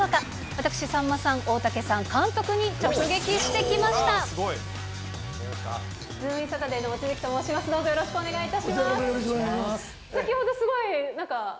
私、さんまさん、大竹さん、監督に直撃してきました。